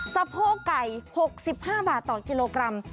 สะโพกไก่๖๕บาทต่อกิโลกรัม